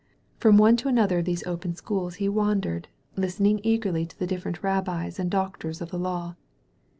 From one to another of these open schools he wandered, listening eagerly to the different rabbis and doctors of the law.